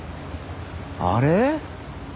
あれ？